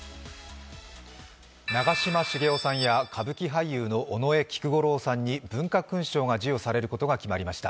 長嶋茂雄さんや歌舞伎俳優の尾上菊五郎さんに文化勲章が授与されることが決まりました。